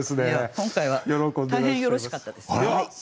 今回は大変よろしかったです。